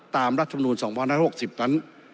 ตามรัฐบาลธรรมดูล๒๖๖๐นั้น